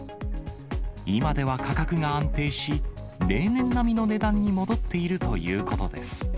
今では価格が安定し、例年並みの値段に戻っているということです。